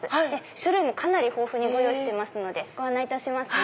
種類も豊富にご用意してますご案内いたしますね。